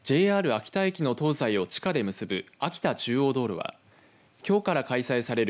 ＪＲ秋田駅の東西を地下で結ぶ秋田中央道路はきょうから開催される